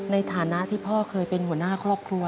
ในฐานะที่พ่อเคยเป็นหัวหน้าครอบครัว